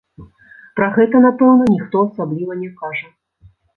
Пра гэта, напэўна, ніхто асабліва не кажа.